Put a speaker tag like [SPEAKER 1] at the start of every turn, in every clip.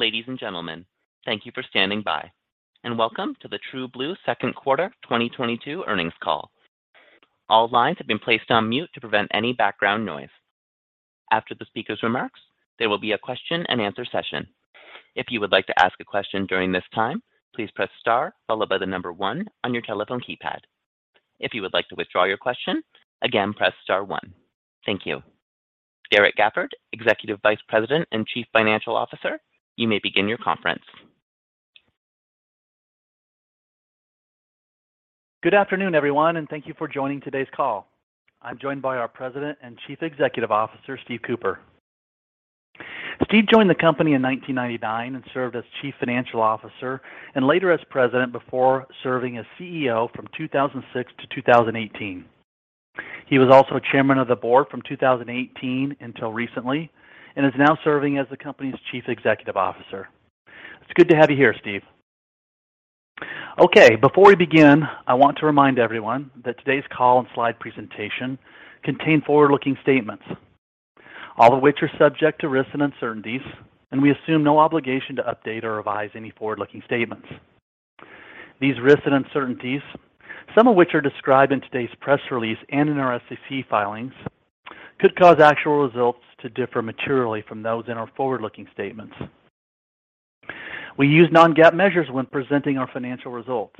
[SPEAKER 1] Ladies and gentlemen, thank you for standing by, and welcome to the TrueBlue second quarter 2022 earnings call. All lines have been placed on mute to prevent any background noise. After the speaker's remarks, there will be a question-and-answer session. If you would like to ask a question during this time, please press star followed by the number one on your telephone keypad. If you would like to withdraw your question, again, press star one. Thank you. Derrek Gafford, Executive Vice President and Chief Financial Officer, you may begin your conference.
[SPEAKER 2] Good afternoon, everyone, and thank you for joining today's call. I'm joined by our President and Chief Executive Officer, Steve Cooper. Steve joined the company in 1999 and served as Chief Financial Officer and later as President before serving as CEO from 2006-2018. He was also Chairman of the Board from 2018 until recently and is now serving as the company's Chief Executive Officer. It's good to have you here, Steve. Okay. Before we begin, I want to remind everyone that today's call and slide presentation contain forward-looking statements, all of which are subject to risks and uncertainties, and we assume no obligation to update or revise any forward-looking statements. These risks and uncertainties, some of which are described in today's press release and in our SEC filings, could cause actual results to differ materially from those in our forward-looking statements. We use non-GAAP measures when presenting our financial results.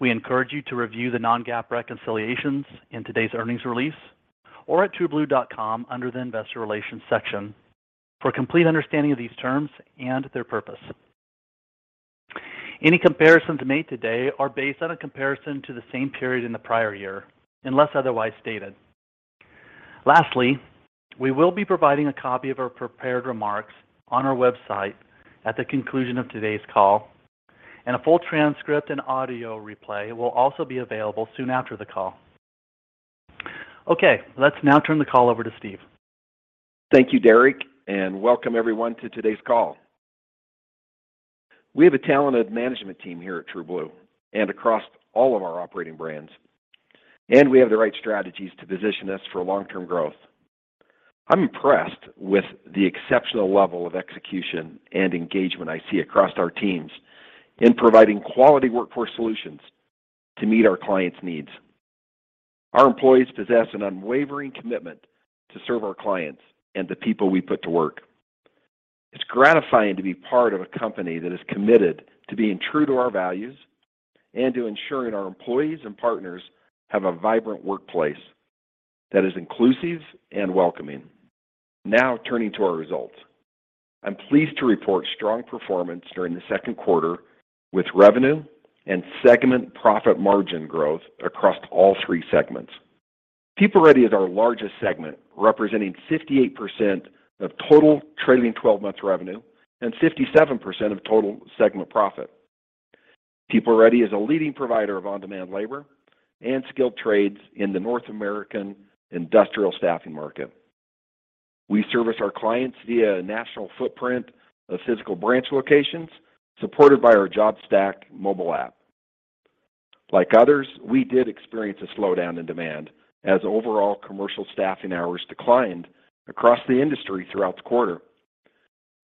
[SPEAKER 2] We encourage you to review the non-GAAP reconciliations in today's earnings release or at trueblue.com under the Investor Relations section for a complete understanding of these terms and their purpose. Any comparisons made today are based on a comparison to the same period in the prior year, unless otherwise stated. Lastly, we will be providing a copy of our prepared remarks on our website at the conclusion of today's call, and a full transcript and audio replay will also be available soon after the call. Okay, let's now turn the call over to Steve.
[SPEAKER 3] Thank you, Derrek, and welcome everyone to today's call. We have a talented management team here at TrueBlue and across all of our operating brands, and we have the right strategies to position us for long-term growth. I'm impressed with the exceptional level of execution and engagement I see across our teams in providing quality workforce solutions to meet our clients' needs. Our employees possess an unwavering commitment to serve our clients and the people we put to work. It's gratifying to be part of a company that is committed to being true to our values and to ensuring our employees and partners have a vibrant workplace that is inclusive and welcoming. Now turning to our results. I'm pleased to report strong performance during the second quarter with revenue and segment profit margin growth across all three segments. PeopleReady is our largest segment, representing 58% of total trailing 12 months revenue and 57% of total segment profit. PeopleReady is a leading provider of on-demand labor and skilled trades in the North American industrial staffing market. We service our clients via a national footprint of physical branch locations supported by our JobStack mobile app. Like others, we did experience a slowdown in demand as overall commercial staffing hours declined across the industry throughout the quarter.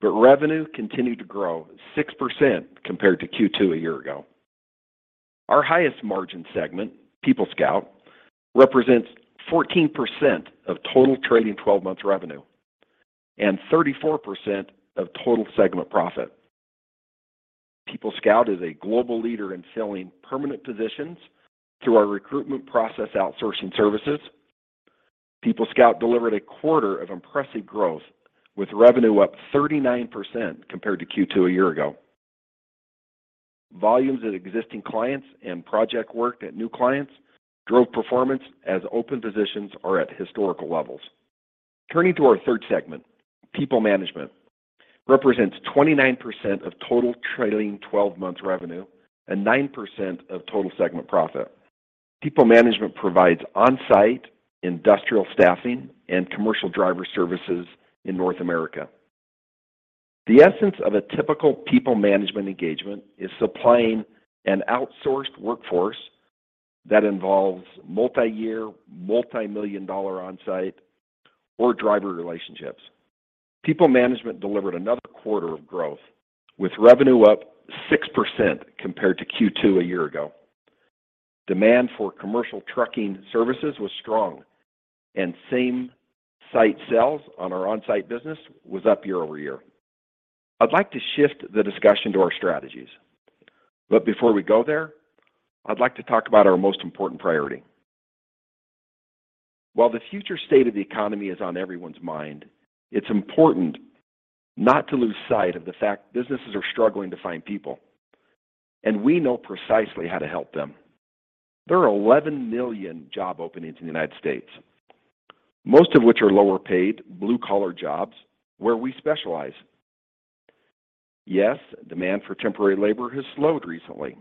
[SPEAKER 3] Revenue continued to grow 6% compared to Q2 a year ago. Our highest margin segment, PeopleScout, represents 14% of total trailing twelve months revenue and 34% of total segment profit. PeopleScout is a global leader in selling permanent positions through our recruitment process outsourcing services. PeopleScout delivered a quarter of impressive growth with revenue up 39% compared to Q2 a year ago. Volumes at existing clients and project work at new clients drove performance as open positions are at historical levels. Turning to our third segment, PeopleManagement represents 29% of total trailing twelve months revenue and 9% of total segment profit. PeopleManagement provides on-site industrial staffing and commercial driver services in North America. The essence of a typical PeopleManagement engagement is supplying an outsourced workforce that involves multi-year, multi-million dollar on-site or driver relationships. PeopleManagement delivered another quarter of growth with revenue up 6% compared to Q2 a year ago. Demand for commercial trucking services was strong and same-site sales on our on-site business was up year-over-year. I'd like to shift the discussion to our strategies. Before we go there, I'd like to talk about our most important priority. While the future state of the economy is on everyone's mind, it's important not to lose sight of the fact businesses are struggling to find people, and we know precisely how to help them. There are 11 million job openings in the United States, most of which are lower-paid, blue-collar jobs where we specialize. Yes, demand for temporary labor has slowed recently.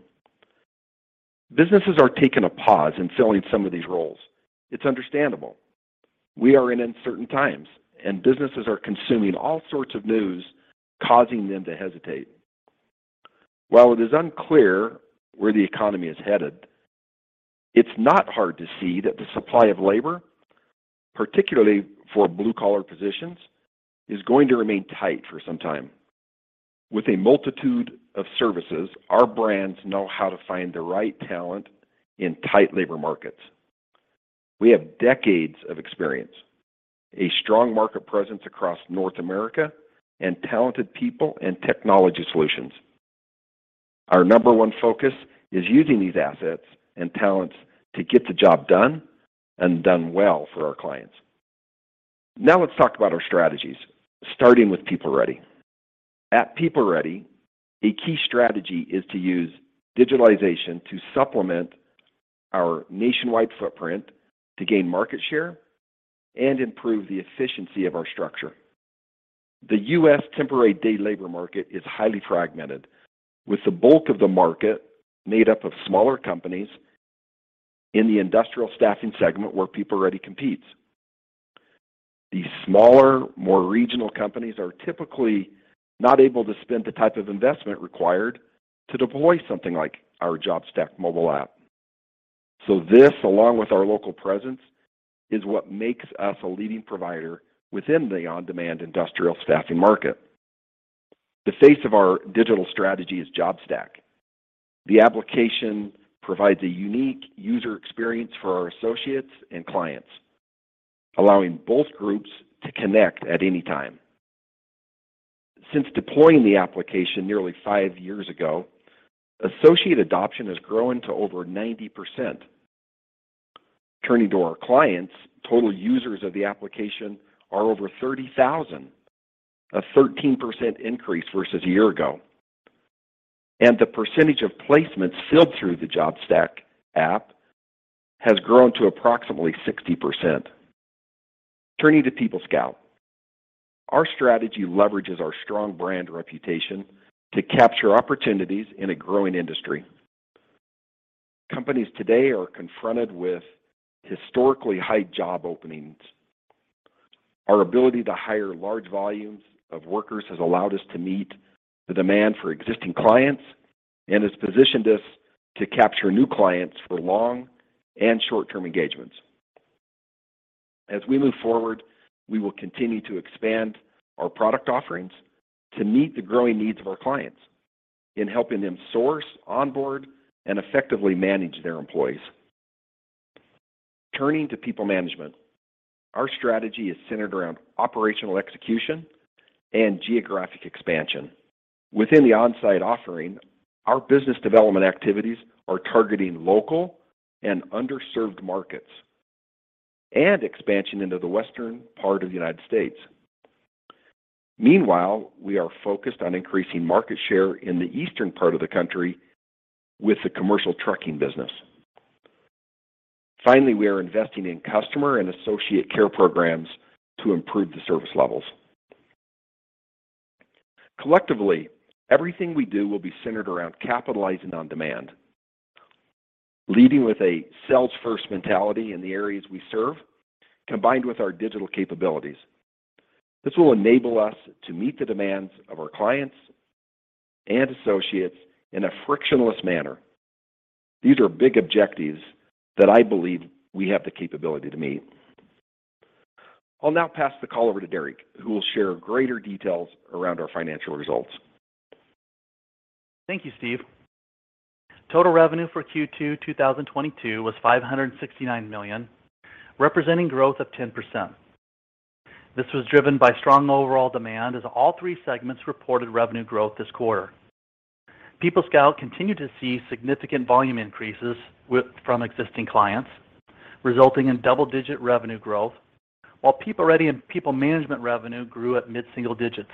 [SPEAKER 3] Businesses are taking a pause in filling some of these roles. It's understandable. We are in uncertain times, and businesses are consuming all sorts of news causing them to hesitate. While it is unclear where the economy is headed, it's not hard to see that the supply of labor, particularly for blue-collar positions, is going to remain tight for some time. With a multitude of services, our brands know how to find the right talent in tight labor markets. We have decades of experience, a strong market presence across North America, and talented people and technology solutions. Our number one focus is using these assets and talents to get the job done and done well for our clients. Now let's talk about our strategies, starting with PeopleReady. At PeopleReady, a key strategy is to use digitalization to supplement our nationwide footprint to gain market share and improve the efficiency of our structure. The U.S. temporary day labor market is highly fragmented, with the bulk of the market made up of smaller companies in the industrial staffing segment where PeopleReady competes. These smaller, more regional companies are typically not able to spend the type of investment required to deploy something like our JobStack mobile app. This, along with our local presence, is what makes us a leading provider within the on-demand industrial staffing market. The face of our digital strategy is JobStack. The application provides a unique user experience for our associates and clients, allowing both groups to connect at any time. Since deploying the application nearly five years ago, associate adoption has grown to over 90%. Turning to our clients, total users of the application are over 30,000, a 13% increase versus a year ago. The percentage of placements filled through the JobStack app has grown to approximately 60%. Turning to PeopleScout. Our strategy leverages our strong brand reputation to capture opportunities in a growing industry. Companies today are confronted with historically high job openings. Our ability to hire large volumes of workers has allowed us to meet the demand for existing clients and has positioned us to capture new clients for long and short-term engagements. As we move forward, we will continue to expand our product offerings to meet the growing needs of our clients in helping them source, onboard, and effectively manage their employees. Turning to PeopleManagement, our strategy is centered around operational execution and geographic expansion. Within the on-site offering, our business development activities are targeting local and underserved markets and expansion into the western part of the United States. Meanwhile, we are focused on increasing market share in the eastern part of the country with the commercial trucking business. Finally, we are investing in customer and associate care programs to improve the service levels. Collectively, everything we do will be centered around capitalizing on demand, leading with a sales-first mentality in the areas we serve, combined with our digital capabilities. This will enable us to meet the demands of our clients and associates in a frictionless manner. These are big objectives that I believe we have the capability to meet. I'll now pass the call over to Derrek, who will share greater details around our financial results.
[SPEAKER 2] Thank you, Steve. Total revenue for Q2 2022 was $569 million, representing growth of 10%. This was driven by strong overall demand as all three segments reported revenue growth this quarter. PeopleScout continued to see significant volume increases from existing clients, resulting in double-digit revenue growth, while PeopleReady and PeopleManagement revenue grew at mid-single digits.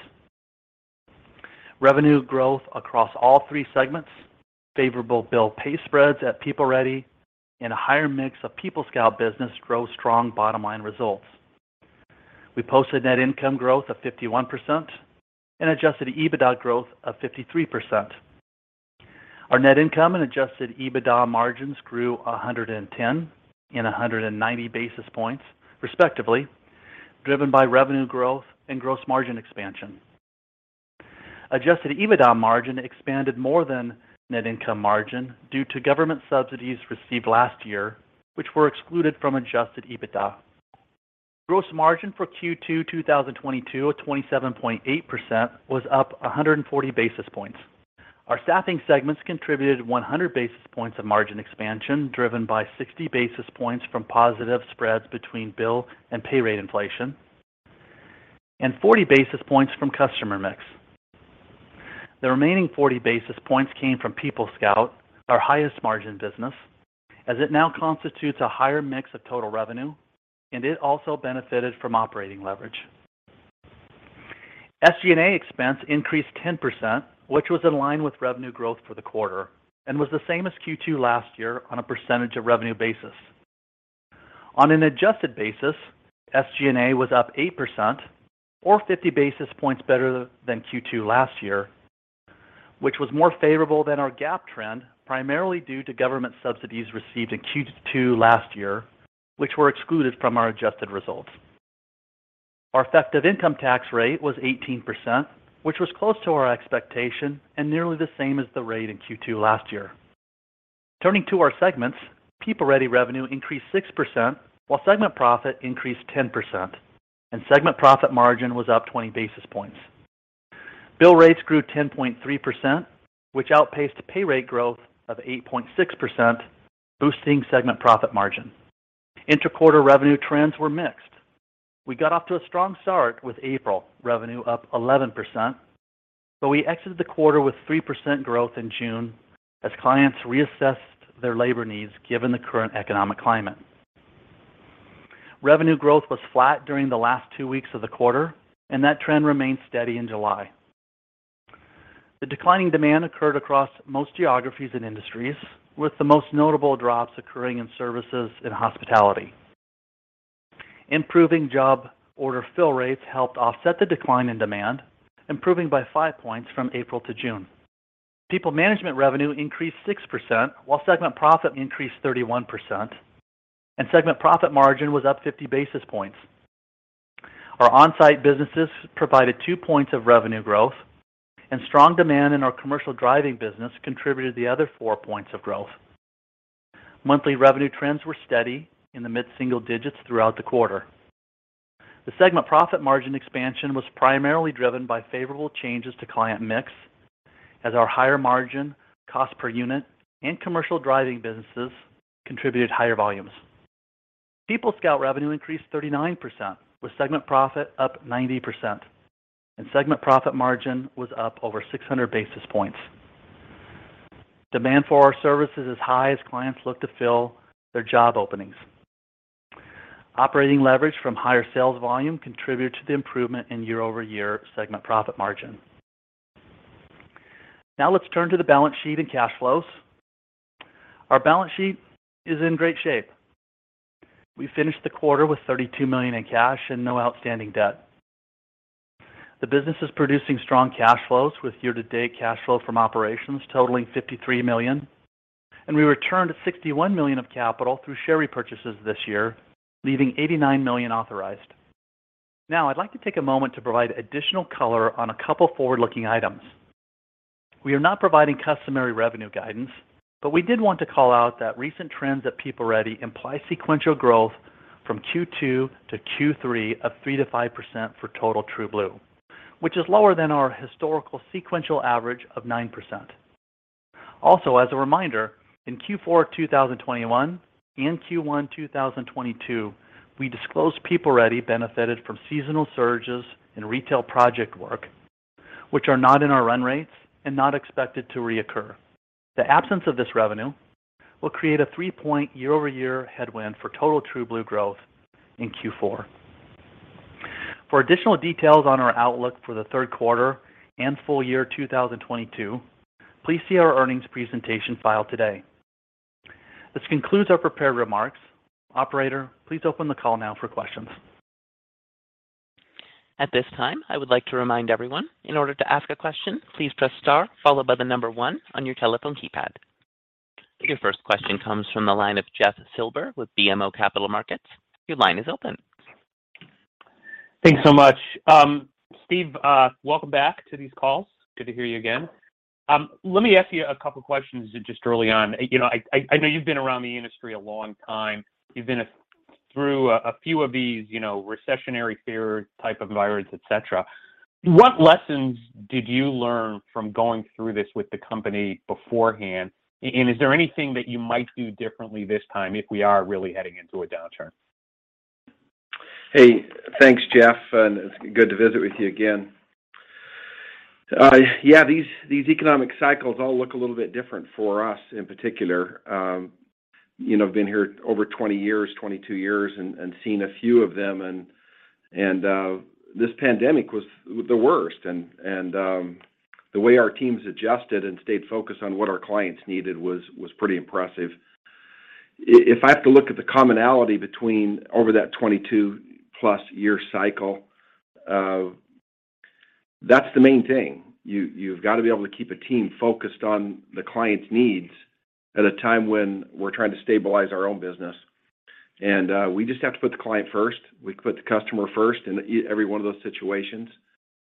[SPEAKER 2] Revenue growth across all three segments, favorable bill pay spreads at PeopleReady, and a higher mix of PeopleScout business drove strong bottom line results. We posted net income growth of 51% and adjusted EBITDA growth of 53%. Our net income and Adjusted EBITDA margins grew 110 and 190 basis points, respectively, driven by revenue growth and gross margin expansion. Adjusted EBITDA margin expanded more than net income margin due to government subsidies received last year, which were excluded from Adjusted EBITDA. Gross margin for Q2 2022 of 27.8% was up 140 basis points. Our staffing segments contributed 100 basis points of margin expansion, driven by 60 basis points from positive spreads between bill and pay rate inflation and 40 basis points from customer mix. The remaining 40 basis points came from PeopleScout, our highest margin business, as it now constitutes a higher mix of total revenue, and it also benefited from operating leverage. SG&A expense increased 10%, which was in line with revenue growth for the quarter and was the same as Q2 last year on a percentage of revenue basis. On an adjusted basis, SG&A was up 8% or 50 basis points better than Q2 last year, which was more favorable than our GAAP trend, primarily due to government subsidies received in Q2 last year, which were excluded from our adjusted results. Our effective income tax rate was 18%, which was close to our expectation and nearly the same as the rate in Q2 last year. Turning to our segments, PeopleReady revenue increased 6%, while segment profit increased 10% and segment profit margin was up 20 basis points. Bill rates grew 10.3%, which outpaced pay rate growth of 8.6%, boosting segment profit margin. Interquarter revenue trends were mixed. We got off to a strong start with April revenue up 11%, but we exited the quarter with 3% growth in June as clients reassessed their labor needs given the current economic climate. Revenue growth was flat during the last two weeks of the quarter, and that trend remained steady in July. The declining demand occurred across most geographies and industries, with the most notable drops occurring in services and hospitality. Improving job order fill rates helped offset the decline in demand, improving by 5 points from April to June. PeopleManagement revenue increased 6%, while segment profit increased 31% and segment profit margin was up 50 basis points. Our on-site businesses provided 2 points of revenue growth and strong demand in our commercial driving business contributed the other 4 points of growth. Monthly revenue trends were steady in the mid-single digits throughout the quarter. The segment profit margin expansion was primarily driven by favorable changes to client mix as our higher margin cost per unit and commercial driving businesses contributed higher volumes. PeopleScout revenue increased 39%, with segment profit up 90% and segment profit margin was up over 600 basis points. Demand for our service is as high as clients look to fill their job openings. Operating leverage from higher sales volume contributed to the improvement in year-over-year segment profit margin. Now let's turn to the balance sheet and cash flows. Our balance sheet is in great shape. We finished the quarter with $32 million in cash and no outstanding debt. The business is producing strong cash flows with year-to-date cash flow from operations totaling $53 million. We returned $61 million of capital through share repurchases this year, leaving $89 million authorized. Now, I'd like to take a moment to provide additional color on a couple forward-looking items. We are not providing customary revenue guidance, but we did want to call out that recent trends at PeopleReady imply sequential growth from Q2-Q3 of 3%-5% for total TrueBlue, which is lower than our historical sequential average of 9%. Also, as a reminder, in Q4 2021 and Q1 2022, we disclosed PeopleReady benefited from seasonal surges in retail project work, which are not in our run rates and not expected to reoccur. The absence of this revenue will create a 3-point year-over-year headwind for total TrueBlue growth in Q4. For additional details on our outlook for the third quarter and full year 2022, please see our earnings presentation filed today. This concludes our prepared remarks. Operator, please open the call now for questions.
[SPEAKER 1] At this time, I would like to remind everyone, in order to ask a question, please press star followed by the number one on your telephone keypad. Your first question comes from the line of Jeff Silber with BMO Capital Markets. Your line is open.
[SPEAKER 4] Thanks so much. Steve, welcome back to these calls. Good to hear you again. Let me ask you a couple questions just early on. You know, I know you've been around the industry a long time. You've been through a few of these, you know, recessionary fear type of environments, et cetera. What lessons did you learn from going through this with the company beforehand? And is there anything that you might do differently this time if we are really heading into a downturn?
[SPEAKER 3] Hey, thanks, Jeff, and it's good to visit with you again. Yeah, these economic cycles all look a little bit different for us in particular. You know, I've been here over 20 years, 22 years and this pandemic was the worst. The way our teams adjusted and stayed focused on what our clients needed was pretty impressive. If I have to look at the commonality between over that 22+ year cycle, that's the main thing. You've got to be able to keep a team focused on the client's needs at a time when we're trying to stabilize our own business. We just have to put the client first. We put the customer first in every one of those situations.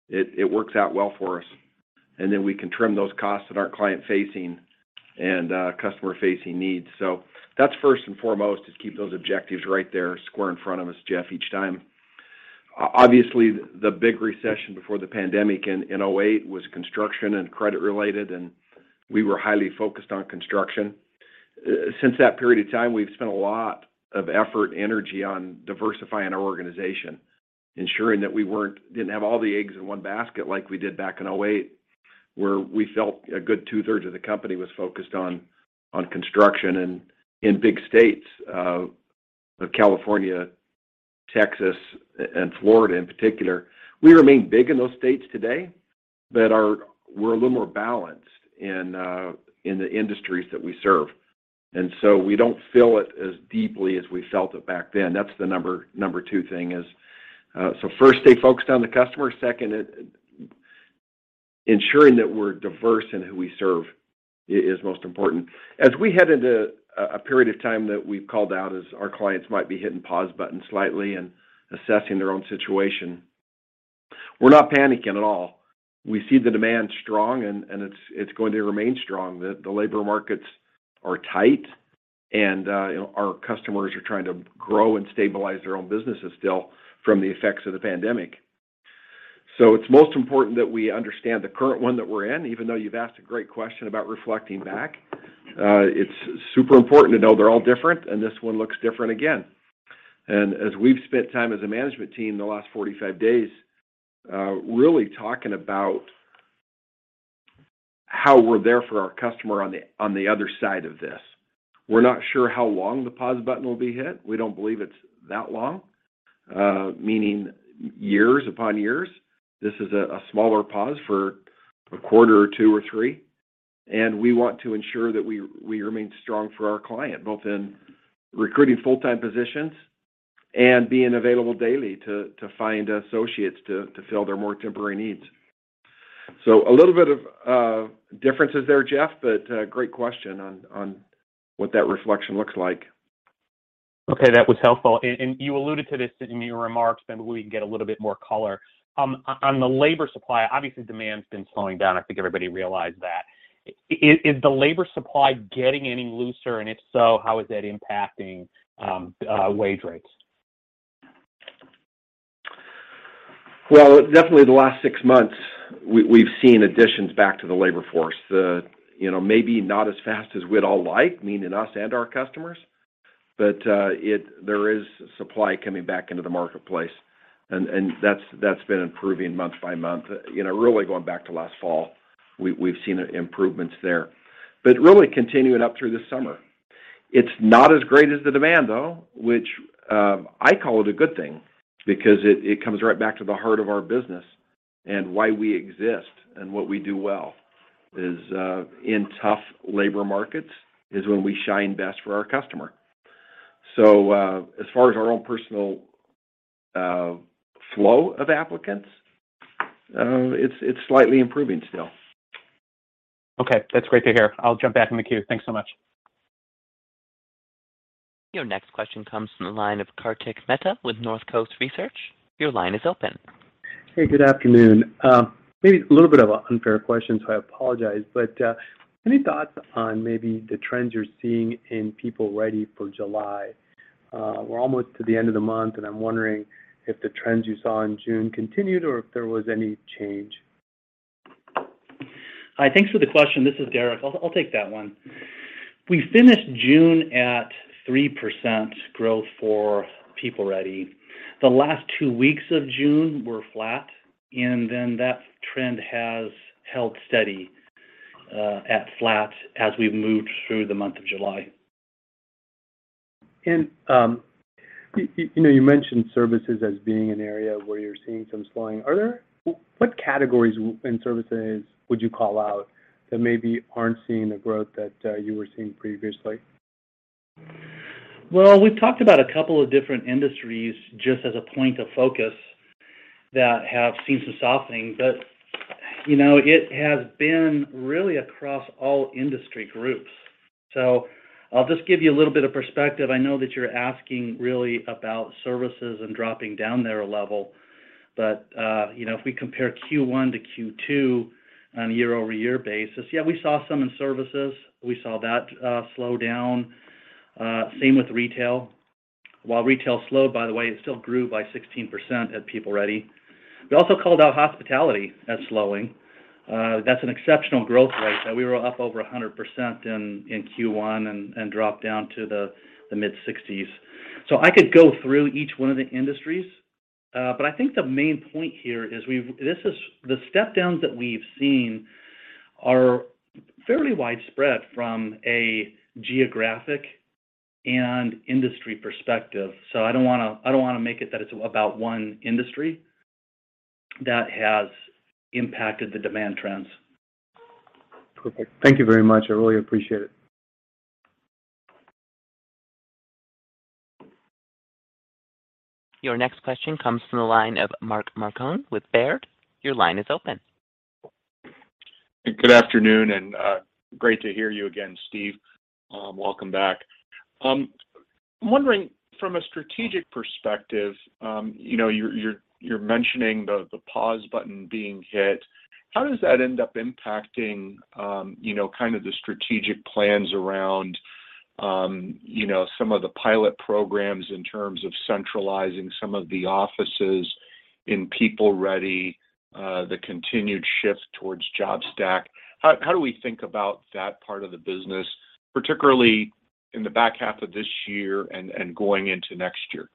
[SPEAKER 3] It works out well for us. We can trim those costs that aren't client-facing and, customer-facing needs. That's first and foremost, is keep those objectives right there square in front of us, Jeff, each time. Obviously, the big recession before the pandemic in 2008 was construction and credit related, and we were highly focused on construction. Since that period of time, we've spent a lot of effort, energy on diversifying our organization, ensuring that we didn't have all the eggs in one basket like we did back in 2008, where we felt a good 2/3 of the company was focused on construction and in big states, California, Texas, and Florida in particular. We remain big in those states today, but we're a little more balanced in the industries that we serve. We don't feel it as deeply as we felt it back then. That's the number two thing is, so first stay focused on the customer. Second, ensuring that we're diverse in who we serve is most important. As we head into a period of time that we've called out as our clients might be hitting pause buttons slightly and assessing their own situation, we're not panicking at all. We see the demand strong and it's going to remain strong. The labor markets are tight and our customers are trying to grow and stabilize their own businesses still from the effects of the pandemic. It's most important that we understand the current one that we're in, even though you've asked a great question about reflecting back. It's super important to know they're all different, and this one looks different again. As we've spent time as a management team in the last 45 days, really talking about how we're there for our customer on the other side of this. We're not sure how long the pause button will be hit. We don't believe it's that long, meaning years upon years. This is a smaller pause for a quarter or two or three, and we want to ensure that we remain strong for our client, both in recruiting full-time positions and being available daily to find associates to fill their more temporary needs. A little bit of differences there, Jeff, but great question on what that reflection looks like.
[SPEAKER 4] Okay. That was helpful. You alluded to this in your remarks, but maybe we can get a little bit more color. On the labor supply, obviously demand's been slowing down. I think everybody realized that. Is the labor supply getting any looser, and if so, how is that impacting wage rates?
[SPEAKER 3] Well, definitely the last six months we've seen additions back to the labor force. You know, maybe not as fast as we'd all like, meaning us and our customers, but there is supply coming back into the marketplace and that's been improving month by month. You know, really going back to last fall, we've seen improvements there. Really continuing up through this summer. It's not as great as the demand, though, which I call it a good thing because it comes right back to the heart of our business and why we exist and what we do well is in tough labor markets is when we shine best for our customer. As far as our own personnel flow of applicants, it's slightly improving still.
[SPEAKER 4] Okay. That's great to hear. I'll jump back in the queue. Thanks so much.
[SPEAKER 1] Your next question comes from the line of Kartik Mehta with Northcoast Research. Your line is open.
[SPEAKER 5] Hey, good afternoon. Maybe a little bit of an unfair question, so I apologize. Any thoughts on maybe the trends you're seeing in PeopleReady for July? We're almost to the end of the month, and I'm wondering if the trends you saw in June continued or if there was any change.
[SPEAKER 2] Hi. Thanks for the question. This is Derrek. I'll take that one. We finished June at 3% growth for PeopleReady. The last two weeks of June were flat, and then that trend has held steady at flat as we've moved through the month of July.
[SPEAKER 5] You know, you mentioned services as being an area where you're seeing some slowing. What categories in services would you call out that maybe aren't seeing the growth that you were seeing previously?
[SPEAKER 2] We've talked about a couple of different industries just as a point of focus that have seen some softening. You know, it has been really across all industry groups. I'll just give you a little bit of perspective. I know that you're asking really about services and dropping down there a level. You know, if we compare Q1-Q2 on a year-over-year basis, yeah, we saw some in services. We saw that slow down. Same with retail. While retail slowed, by the way, it still grew by 16% at PeopleReady. We also called out hospitality as slowing. That's an exceptional growth rate. We were up over 100% in Q1 and dropped down to the mid-60s. I could go through each one of the industries, but I think the main point here is the step downs that we've seen are fairly widespread from a geographic and industry perspective, so I don't wanna make it that it's about one industry that has impacted the demand trends.
[SPEAKER 5] Perfect. Thank you very much. I really appreciate it.
[SPEAKER 1] Your next question comes from the line of Mark Marcon with Baird. Your line is open.
[SPEAKER 6] Good afternoon, and, great to hear you again, Steve. Welcome back. I'm wondering from a strategic perspective, you know, you're mentioning the pause button being hit. How does that end up impacting, you know, kind of the strategic plans around, you know, some of the pilot programs in terms of centralizing some of the offices in PeopleReady, the continued shift towards JobStack? How do we think about that part of the business, particularly in the back half of this year and going into next year?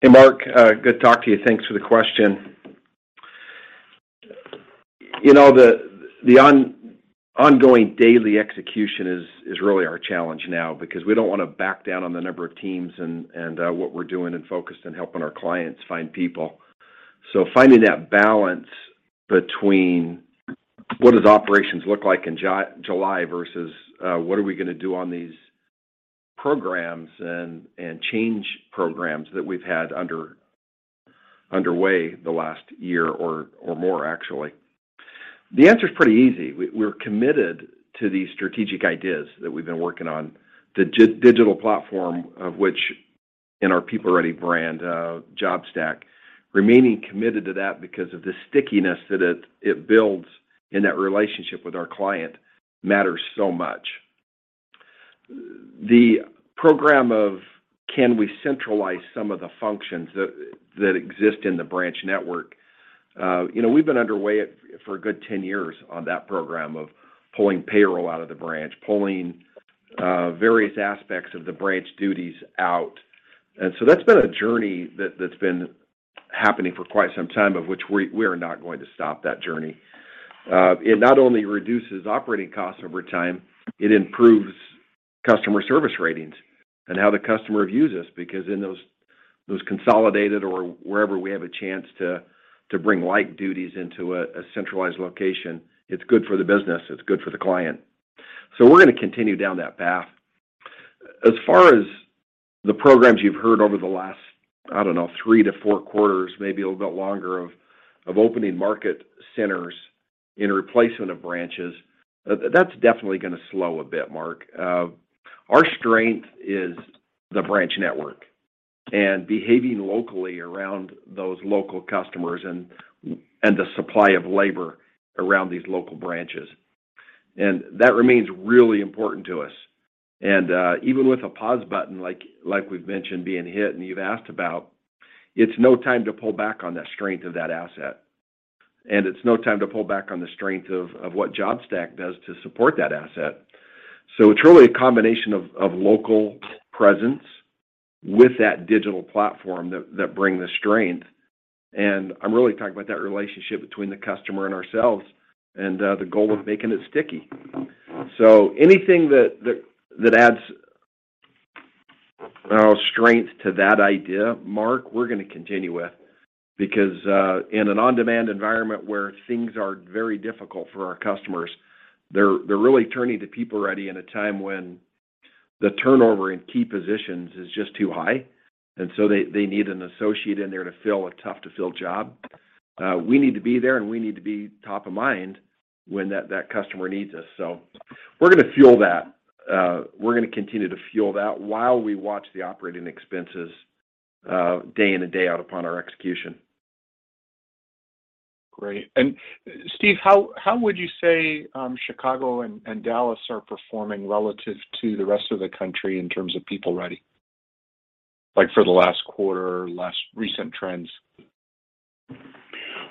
[SPEAKER 3] Hey, Mark. Good to talk to you. Thanks for the question. You know, the ongoing daily execution is really our challenge now because we don't wanna back down on the number of teams and what we're doing and focused on helping our clients find people. Finding that balance between what does operations look like in July versus what are we gonna do on these programs and change programs that we've had underway the last year or more actually. The answer's pretty easy. We're committed to the strategic ideas that we've been working on, the digital platform of which in our PeopleReady brand, JobStack, remaining committed to that because of the stickiness that it builds in that relationship with our client matters so much. The program of can we centralize some of the functions that exist in the branch network, you know, we've been underway for a good 10 years on that program of pulling payroll out of the branch, pulling various aspects of the branch duties out. That's been a journey that's been happening for quite some time, of which we are not going to stop that journey. It not only reduces operating costs over time, it improves customer service ratings and how the customer views us because in those consolidated or wherever we have a chance to bring light duties into a centralized location, it's good for the business, it's good for the client. We're gonna continue down that path. As far as the programs you've heard over the last, I don't know, three to four quarters, maybe a little bit longer of opening market centers in replacement of branches, that's definitely gonna slow a bit, Mark. Our strength is the branch network and behaving locally around those local customers and the supply of labor around these local branches. That remains really important to us. Even with a pause button like we've mentioned being hit and you've asked about, it's no time to pull back on the strength of that asset, and it's no time to pull back on the strength of what JobStack does to support that asset. It's really a combination of local presence with that digital platform that bring the strength, and I'm really talking about that relationship between the customer and ourselves and the goal of making it sticky. Anything that adds strength to that idea, Mark, we're gonna continue with because in an on-demand environment where things are very difficult for our customers, they're really turning to PeopleReady in a time when the turnover in key positions is just too high, and so they need an associate in there to fill a tough-to-fill job. We need to be there, and we need to be top of mind when that customer needs us. We're gonna fuel that. We're gonna continue to fuel that while we watch the operating expenses day in and day out upon our execution.
[SPEAKER 6] Great. Steve, how would you say Chicago and Dallas are performing relative to the rest of the country in terms of PeopleReady? Like for the last quarter or last recent trends?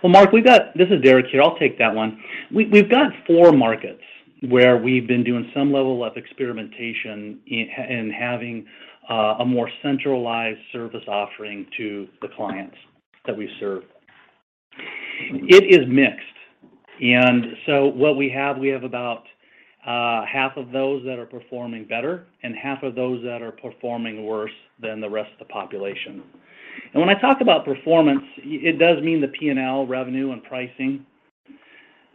[SPEAKER 2] Well, Mark, this is Derrek here. I'll take that one. We've got four markets where we've been doing some level of experimentation in having a more centralized service offering to the clients that we serve. It is mixed, and so what we have about half of those that are performing better and half of those that are performing worse than the rest of the population. When I talk about performance, it does mean the P&L revenue and pricing,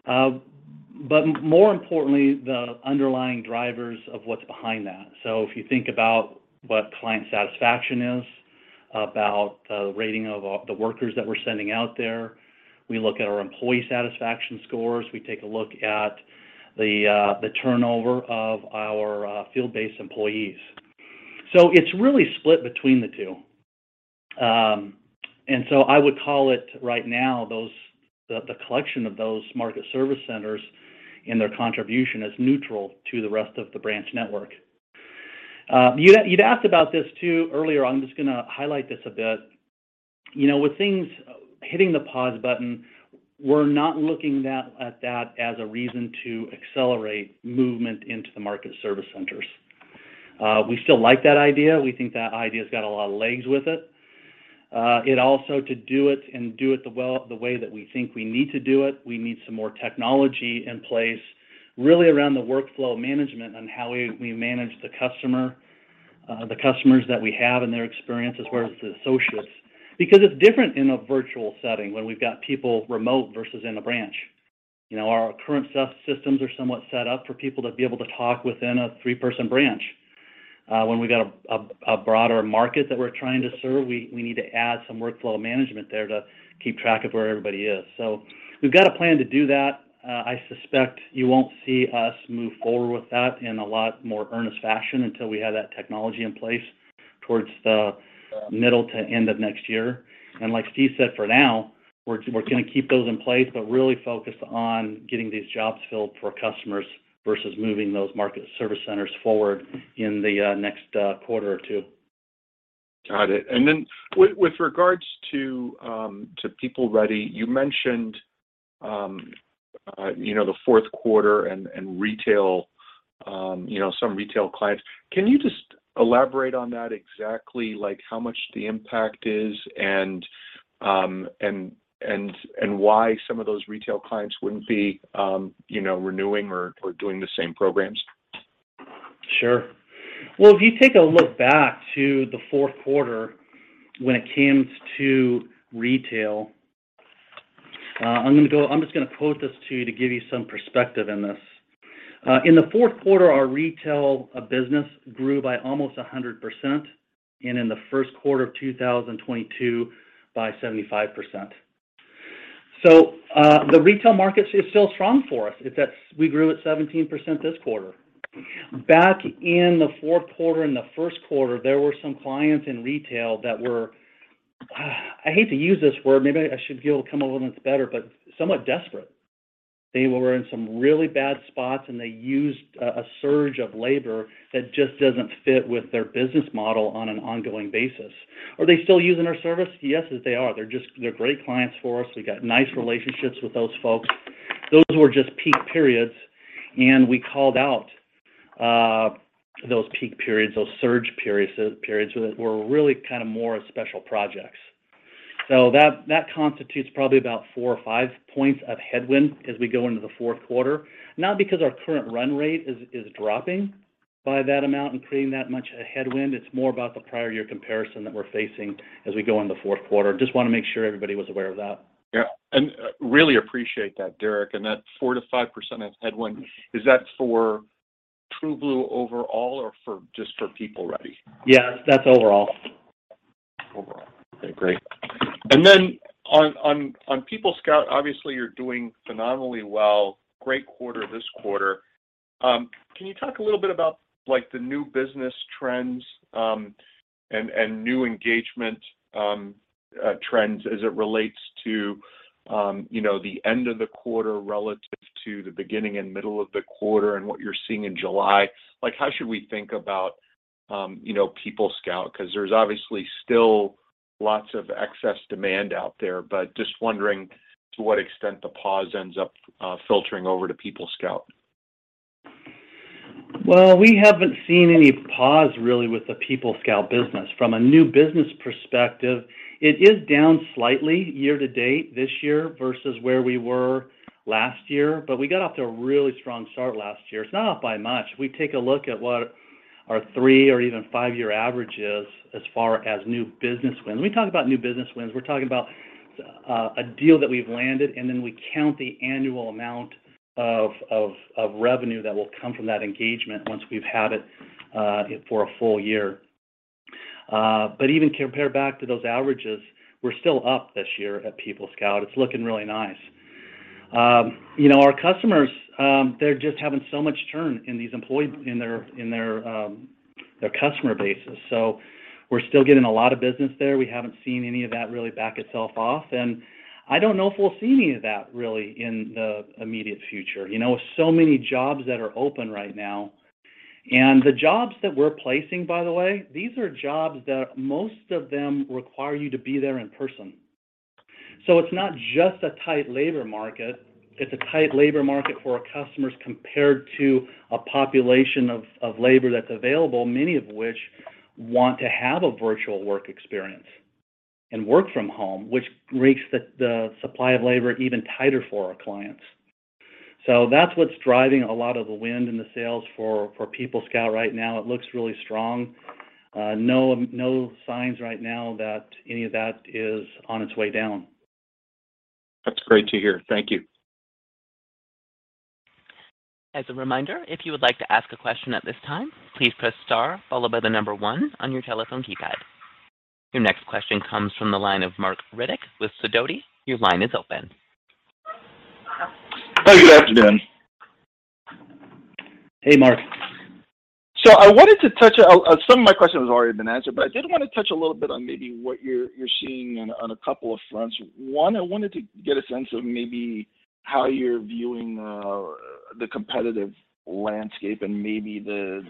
[SPEAKER 2] but more importantly, the underlying drivers of what's behind that. If you think about what client satisfaction is, about rating of the workers that we're sending out there, we look at our employee satisfaction scores, we take a look at the turnover of our field-based employees. It's really split between the two. I would call it right now, the collection of those market service centers and their contribution as neutral to the rest of the branch network. You'd asked about this too earlier on. I'm just gonna highlight this a bit. You know, with things hitting the pause button, we're not looking at that as a reason to accelerate movement into the market service centers. We still like that idea. We think that idea's got a lot of legs with it. It also. To do it and do it the way that we think we need to do it, we need some more technology in place really around the workflow management on how we manage the customer, the customers that we have and their experience as well as the associates. Because it's different in a virtual setting when we've got people remote versus in a branch. You know, our current systems are somewhat set up for people to be able to talk within a three-person branch. When we've got a broader market that we're trying to serve, we need to add some workflow management there to keep track of where everybody is. We've got a plan to do that. I suspect you won't see us move forward with that in a lot more earnest fashion until we have that technology in place towards the middle to end of next year. Like Steve said, for now, we're gonna keep those in place, but really focus on getting these jobs filled for customers versus moving those market service centers forward in the next quarter or two.
[SPEAKER 6] Got it. With regards to PeopleReady, you mentioned, you know, the fourth quarter and retail, you know, some retail clients. Can you just elaborate on that exactly, like how much the impact is and why some of those retail clients wouldn't be, you know, renewing or doing the same programs?
[SPEAKER 2] Sure. Well, if you take a look back to the fourth quarter when it comes to retail, I'm just gonna quote this to you to give you some perspective in this. In the fourth quarter, our retail business grew by almost 100%, and in the first quarter of 2022, by 75%. The retail market is still strong for us. We grew at 17% this quarter. Back in the fourth quarter and the first quarter, there were some clients in retail that were, I hate to use this word, maybe I should be able to come up with one that's better, but somewhat desperate. They were in some really bad spots, and they used a surge of labor that just doesn't fit with their business model on an ongoing basis. Are they still using our service? Yes, they are. They're great clients for us. We got nice relationships with those folks. Those were just peak periods, and we called out those peak periods, those surge periods that were really kind of more special projects. That constitutes probably about 4 or 5 points of headwind as we go into the fourth quarter. Not because our current run rate is dropping by that amount and creating that much a headwind. It's more about the prior year comparison that we're facing as we go in the fourth quarter. Just wanna make sure everybody was aware of that.
[SPEAKER 3] Yeah. Really appreciate that, Derrek. That 4%-5% headwind, is that for TrueBlue overall or just for PeopleReady?
[SPEAKER 2] Yes, that's overall.
[SPEAKER 3] Overall. Okay, great. On PeopleScout, obviously you're doing phenomenally well, great quarter this quarter. Can you talk a little bit about like the new business trends, and new engagement, trends as it relates to, you know, the end of the quarter relative to the beginning and middle of the quarter and what you're seeing in July? Like, how should we think about, you know, PeopleScout? 'Cause there's obviously still lots of excess demand out there, but just wondering to what extent the pause ends up filtering over to PeopleScout.
[SPEAKER 2] Well, we haven't seen any pause really with the PeopleScout business. From a new business perspective, it is down slightly year to date this year versus where we were last year, but we got off to a really strong start last year. It's not off by much. We take a look at what our three or even five-year average is as far as new business wins. When we talk about new business wins, we're talking about a deal that we've landed, and then we count the annual amount of revenue that will come from that engagement once we've had it for a full year. Even compared back to those averages, we're still up this year at PeopleScout. It's looking really nice. You know, our customers, they're just having so much churn in these in their customer bases. We're still getting a lot of business there. We haven't seen any of that really back itself off, and I don't know if we'll see any of that really in the immediate future. You know, with so many jobs that are open right now, and the jobs that we're placing, by the way, these are jobs that most of them require you to be there in person. It's not just a tight labor market, it's a tight labor market for our customers compared to a population of labor that's available, many of which want to have a virtual work experience and work from home, which makes the supply of labor even tighter for our clients. That's what's driving a lot of the wind in the sails for PeopleScout right now. It looks really strong. No signs right now that any of that is on its way down.
[SPEAKER 3] That's great to hear. Thank you.
[SPEAKER 1] As a reminder, if you would like to ask a question at this time, please press star followed by the number one on your telephone keypad. Your next question comes from the line of Marc Riddick with Sidoti. Your line is open.
[SPEAKER 7] Good afternoon.
[SPEAKER 3] Hey, Marc.
[SPEAKER 7] Some of my questions have already been answered, but I did wanna touch a little bit on maybe what you're seeing on a couple of fronts. One, I wanted to get a sense of maybe how you're viewing the competitive landscape and maybe the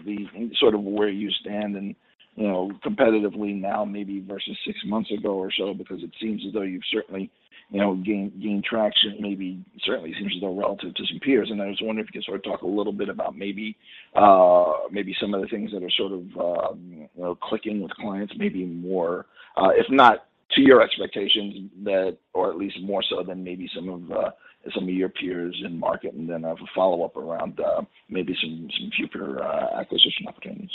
[SPEAKER 7] sort of where you stand and, you know, competitively now maybe versus six months ago or so, because it seems as though you've certainly, you know, gained traction, maybe certainly it seems as though relative to some peers. I just wonder if you can sort of talk a little bit about maybe some of the things that are sort of, you know, clicking with clients maybe more, if not to your expectations, that or at least more so than maybe some of your peers in market, and then I have a follow-up around, maybe some future acquisition opportunities.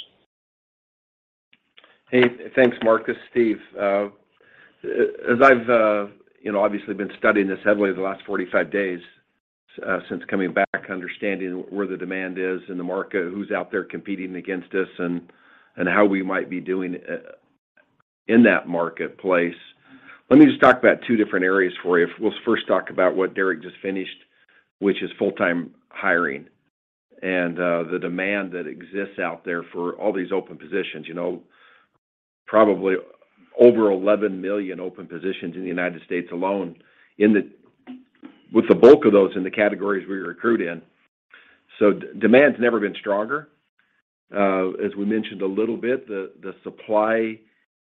[SPEAKER 3] Hey, thanks Marc. It's Steve. As I've, you know, obviously been studying this heavily the last 45 days, since coming back, understanding where the demand is in the market, who's out there competing against us, and how we might be doing in that marketplace. Let me just talk about two different areas for you. We'll first talk about what Derek just finished, which is full-time hiring and the demand that exists out there for all these open positions. You know, probably over 11 million open positions in the United States alone with the bulk of those in the categories we recruit in. So demand's never been stronger. As we mentioned a little bit, the supply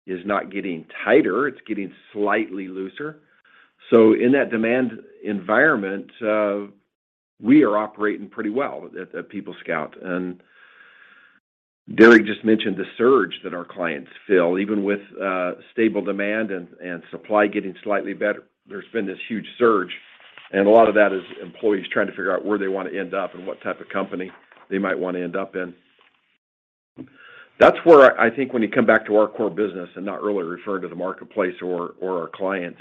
[SPEAKER 3] is not getting tighter, it's getting slightly looser. So in that demand environment, we are operating pretty well at PeopleScout. Derrek just mentioned the surge that our clients feel. Even with stable demand and supply getting slightly better, there's been this huge surge, and a lot of that is employees trying to figure out where they want to end up and what type of company they might want to end up in. That's where I think when you come back to our core business and not really referring to the marketplace or our clients,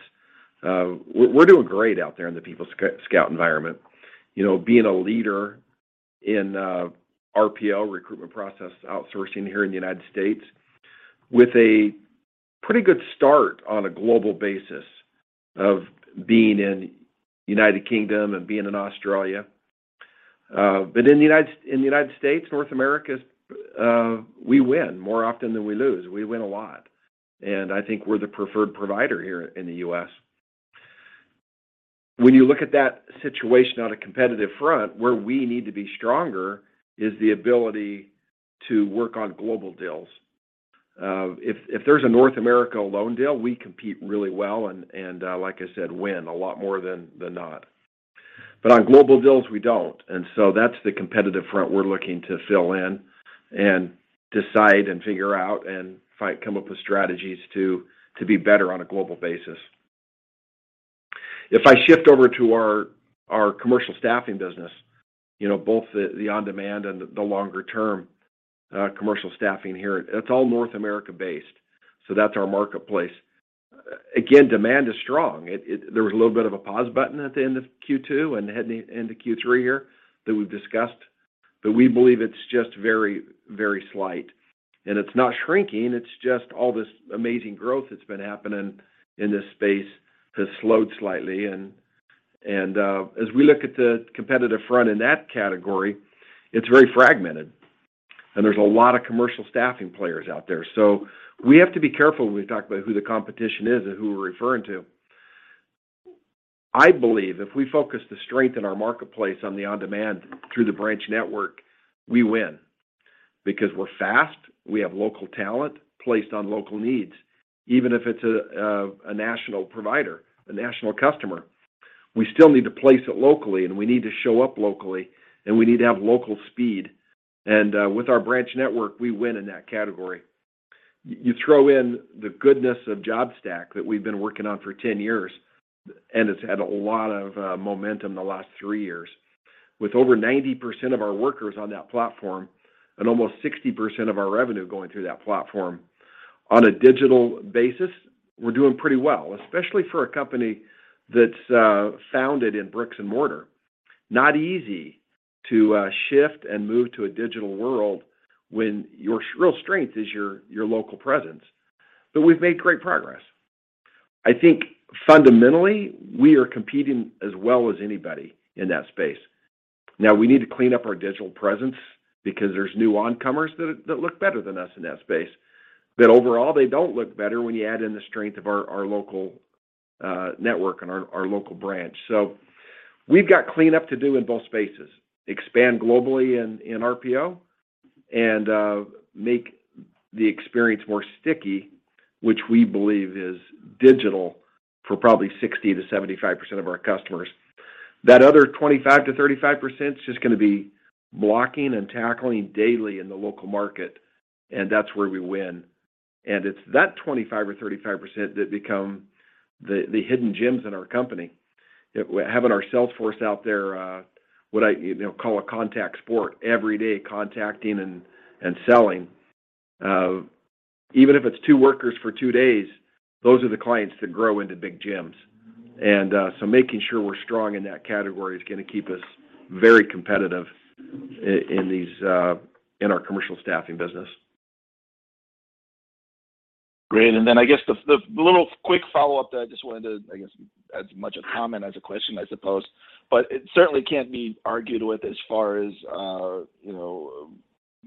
[SPEAKER 3] we're doing great out there in the PeopleScout environment. You know, being a leader in RPO, recruitment process outsourcing here in the United States with a pretty good start on a global basis of being in United Kingdom and being in Australia. In the United States, North America, we win more often than we lose. We win a lot, and I think we're the preferred provider here in the U.S. When you look at that situation on a competitive front, where we need to be stronger is the ability to work on global deals. If there's a North America alone deal, we compete really well and like I said, win a lot more than not. But on global deals, we don't, and so that's the competitive front we're looking to fill in and decide and figure out and come up with strategies to be better on a global basis. If I shift over to our commercial staffing business, you know, both the on-demand and the longer term commercial staffing here, it's all North America-based, so that's our marketplace. Again, demand is strong. There was a little bit of a pause button at the end of Q2 and heading into Q3 here that we've discussed, but we believe it's just very, very slight. It's not shrinking, it's just all this amazing growth that's been happening in this space has slowed slightly and, as we look at the competitive front in that category, it's very fragmented, and there's a lot of commercial staffing players out there. We have to be careful when we talk about who the competition is and who we're referring to. I believe if we focus the strength in our marketplace on the on-demand through the branch network, we win because we're fast, we have local talent placed on local needs. Even if it's a national provider, a national customer, we still need to place it locally, and we need to show up locally, and we need to have local speed. With our branch network, we win in that category. You throw in the goodness of JobStack that we've been working on for 10 years, and it's had a lot of momentum in the last three years. With over 90% of our workers on that platform and almost 60% of our revenue going through that platform, on a digital basis, we're doing pretty well, especially for a company that's founded in bricks and mortar. Not easy to shift and move to a digital world when your real strength is your local presence. We've made great progress. I think fundamentally, we are competing as well as anybody in that space. Now, we need to clean up our digital presence because there's new newcomers that look better than us in that space. Overall, they don't look better when you add in the strength of our local network and our local branch. We've got cleanup to do in both spaces, expand globally in RPO and make the experience more sticky, which we believe is digital for probably 60%-75% of our customers. That other 25%-35% is just gonna be blocking and tackling daily in the local market, and that's where we win. It's that 25% or 35% that become the hidden gems in our company. Having our sales force out there, what I you know call a contact sport, every day contacting and selling. Even if it's two workers for two days, those are the clients that grow into big gems. Making sure we're strong in that category is gonna keep us very competitive in our commercial staffing business.
[SPEAKER 7] Great. I guess the little quick follow-up that I just wanted to, I guess, as much a comment as a question, I suppose. It certainly can't be argued with as far as, you know,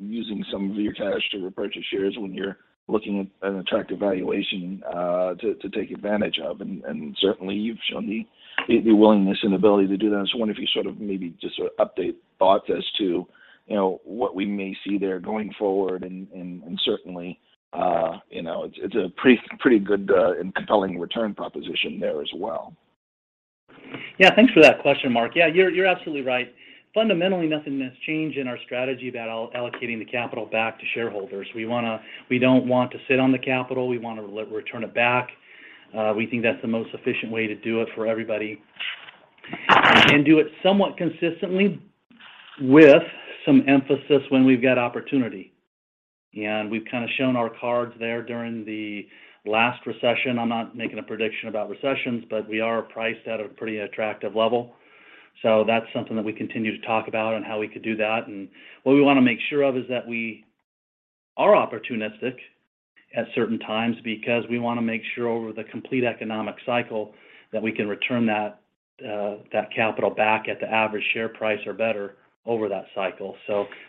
[SPEAKER 7] using some of your cash to repurchase shares when you're looking at an attractive valuation, to take advantage of, and certainly you've shown the willingness and ability to do that. I was wondering if you sort of maybe just update thoughts as to, you know, what we may see there going forward. Certainly, you know, it's a pretty good and compelling return proposition there as well.
[SPEAKER 3] Yeah. Thanks for that question, Marc. Yeah, you're absolutely right. Fundamentally, nothing has changed in our strategy about allocating the capital back to shareholders. We don't want to sit on the capital, we wanna re-return it back. We think that's the most efficient way to do it for everybody. Do it somewhat consistently with some emphasis when we've got opportunity. We've kind of shown our cards there during the last recession. I'm not making a prediction about recessions, but we are priced at a pretty attractive level. That's something that we continue to talk about and how we could do that. What we want to make sure of is that we are opportunistic at certain times because we want to make sure over the complete economic cycle that we can return that capital back at the average share price or better over that cycle.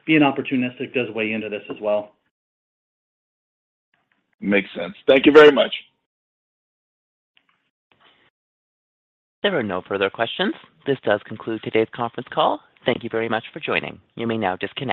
[SPEAKER 3] Being opportunistic does weigh into this as well.
[SPEAKER 7] Makes sense. Thank you very much.
[SPEAKER 1] There are no further questions. This does conclude today's conference call. Thank you very much for joining. You may now disconnect.